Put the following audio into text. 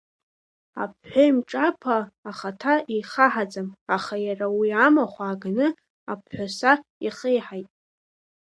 Абҳәеимҿаԥа ахаҭа еихаҳаӡам, аха иара уи амахә ааганы абҳәаса иахеиҳаит.